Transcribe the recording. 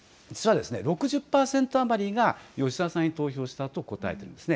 ６０％余りが吉田さんに投票したと答えています。